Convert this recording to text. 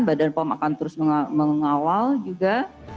badan pom akan terus mengawal juga